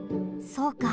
そうか。